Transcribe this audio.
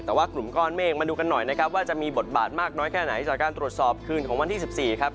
แต่ว่ากลุ่มก้อนเมฆมาดูกันหน่อยนะครับว่าจะมีบทบาทมากน้อยแค่ไหนจากการตรวจสอบคืนของวันที่๑๔ครับ